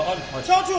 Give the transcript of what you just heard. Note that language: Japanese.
社長！